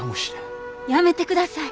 やめてください。